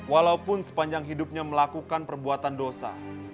walaupun sepanjang hidupnya melakukan perbuatan dosa